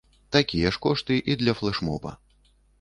Такія ж кошты і для флэш-моба.